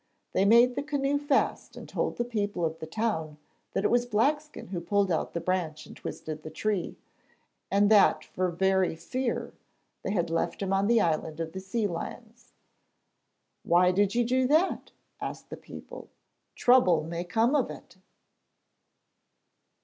They made the canoe fast and told the people of the town that it was Blackskin who pulled out the branch and twisted the tree, and that for very fear they had left him on the island of the sea lions. 'Why did you do that?' asked the people. 'Trouble may come of it.'